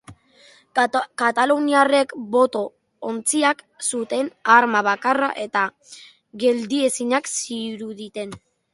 Kataluniarrek boto-ontziak zuten arma bakarra eta geldiezinak ziruditen.